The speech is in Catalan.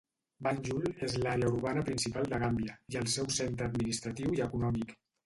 Banjul és l'àrea urbana principal de Gàmbia, i el seu centre administratiu i econòmic.